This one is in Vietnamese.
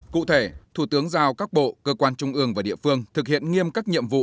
cụ thể thủ tướng giao các bộ cơ quan trung ương và địa phương thực hiện nghiêm các nhiệm vụ